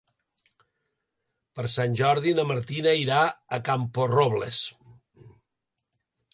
Per Sant Jordi na Martina irà a Camporrobles.